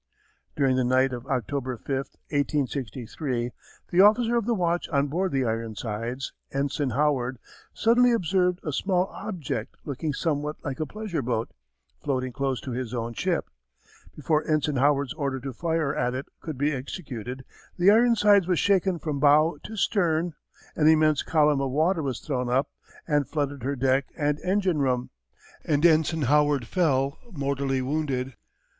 [Illustration: © U. & U. A British Anti Aircraft Gun.] During the night of October 5, 1863, the officer of the watch on board the Ironsides, Ensign Howard, suddenly observed a small object looking somewhat like a pleasure boat, floating close to his own ship. Before Ensign Howard's order to fire at it could be executed, the Ironsides was shaken from bow to stern, an immense column of water was thrown up and flooded her deck and engine room, and Ensign Howard fell, mortally wounded.